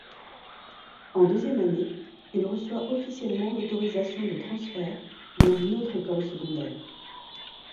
En deuxième année, il reçoit officiellement l'autorisation de transfert dans une autre école secondaire.